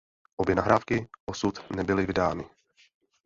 Obě nahrávky osud nebyly vydány.